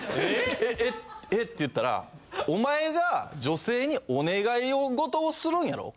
ええっえって言ったら「お前が女性にお願い事をするんやろ？